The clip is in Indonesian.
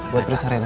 buat periksa rena